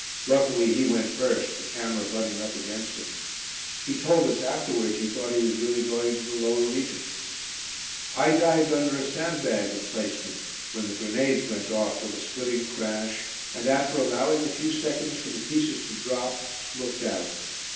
Luckily he went first, the camera butting up against him. He told us afterwards he thought he was really going to the lower regions. I dived under a sandbag emplacement, when the grenades went off with a splitting crash, and after allowing a few seconds for the pieces to drop, looked out.